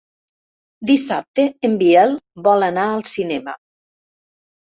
Dissabte en Biel vol anar al cinema.